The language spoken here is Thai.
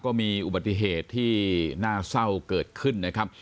ก็มีอุบัติเหตุที่น่าเศร้าเกิดขึ้นนะครับ